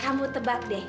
kamu tebak deh